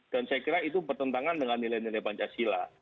saya kira itu bertentangan dengan nilai nilai pancasila